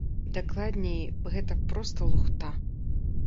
Дакладней, гэта проста лухта.